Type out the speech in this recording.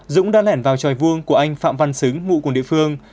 dũng đã lẻn vào tròi vuông của anh phạm văn xứng ngụ cùng địa phương